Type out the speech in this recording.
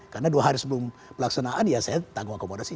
karena dua hari sebelum pelaksanaan ya saya tanggung akomodasi